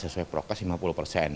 sesuai prokes lima puluh persen